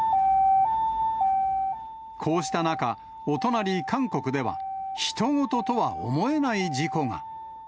こうした中、お隣、韓国ではひと事とは思えない事故が。